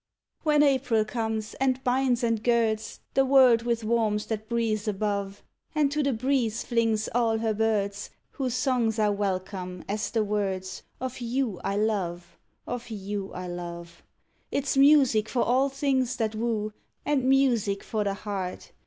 When April comes, and binds and girds The world with warmth that breathes above, And to the breeze flings all her birds, Whose songs are welcome as the words Of you I love, of you I love: It's music for all things that woo, And music for the heart!